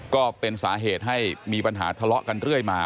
ก็เป็นสาเหตุให้มีปัญหาทะเลาะกันเรื่อยมา